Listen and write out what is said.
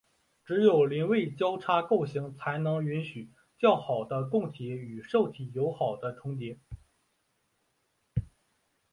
只有邻位交叉构型才能允许较好的供体与受体有好的重叠。